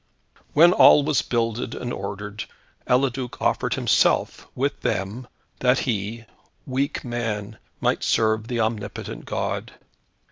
When all was builded and ordered, Eliduc offered himself, with them, that he weak man might serve the omnipotent God.